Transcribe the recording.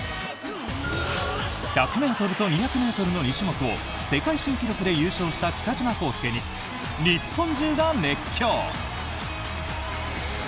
１００ｍと２００ｍの２種目を世界新記録で優勝した北島康介に日本中が熱狂！